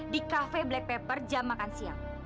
di cafe black pepper jam makan siang